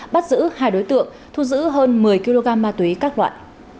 bắt giữ hai đối tượng thu giữ hơn một mươi kg ma túy các loại